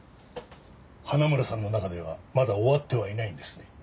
花村さんの中ではまだ終わってはいないんですね？